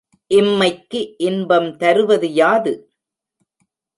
இம்மைக்கு இன்பம் தருவது யாது?